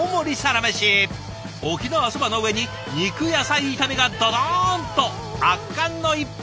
沖縄そばの上に肉野菜炒めがドドーンと圧巻の一杯。